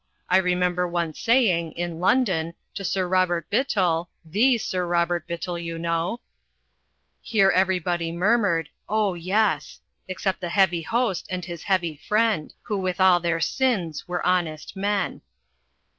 I remember once saying (in London) to Sir Robert Bittell the Sir Robert Bittell, you know " Here everybody murmured, "Oh, yes," except the Heavy Host and his Heavy Friend, who with all their sins were honest men.